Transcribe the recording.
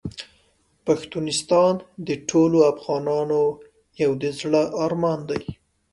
پښتونستان د ټولو افغانانو یو د زړه ارمان دی .